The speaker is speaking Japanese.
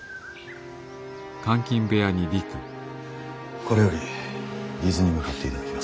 これより伊豆に向かっていただきます。